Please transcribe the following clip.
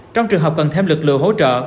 trong trường hợp cần thêm lực lượng hỗ trợ